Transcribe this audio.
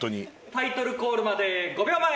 タイトルコールまで５秒前。